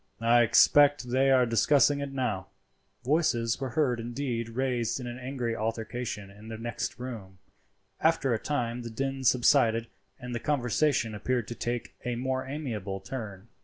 I expect they are discussing it now." Voices were indeed heard raised in angry altercation in the next room. After a time the din subsided and the conversation appeared to take a more amiable turn.